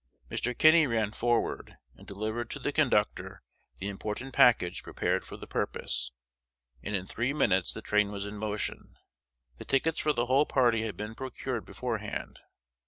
Mr. Kinney ran forward, and delivered to the conductor the "important package" prepared for the purpose; and in three minutes the train was in motion. The tickets for the whole party had been procured beforehand.